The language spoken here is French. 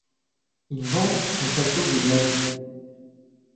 Il vend son Château de Mai.